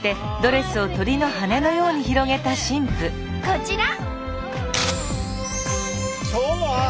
こちら！